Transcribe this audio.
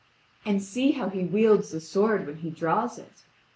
And see how he wields the sword when he draws it!